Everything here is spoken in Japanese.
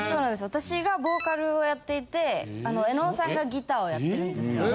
私がボーカルをやっていて絵音さんがギターをやってるんですけど。